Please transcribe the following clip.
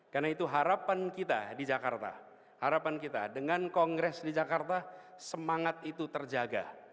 karena itu harapan kita di jakarta harapan kita dengan kongres di jakarta semangat itu terjaga